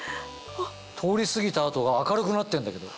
通り過ぎた跡が明るくなってんだけど。